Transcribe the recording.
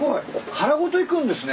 殻ごといくんですね。